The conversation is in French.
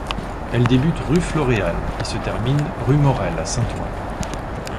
Elle débute rue Floréal et se termine rue Morel, à Saint-Ouen.